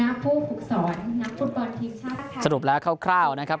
คณะผู้ผุกสอนนักกุมปอลทีมชาติไทย